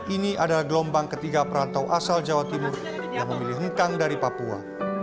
ini adalah gelombang ketiga perantau asal jawa timur yang memilih hengkang dari papua